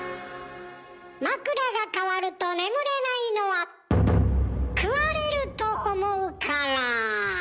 枕がかわると眠れないのは食われると思うから。